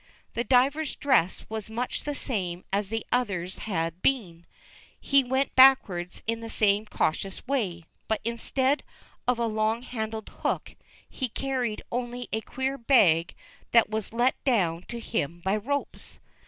The diver's dress was much the same as the other's had been; he went backwards in the same cautious way, but instead of a long handled hook, he carried only a queer bag that was let down to him by ropes.